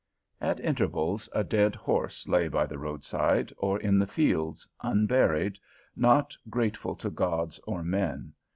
At intervals, a dead horse lay by the roadside, or in the fields, unburied, not grateful to gods or men.